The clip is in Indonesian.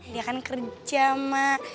dia kan kerja mak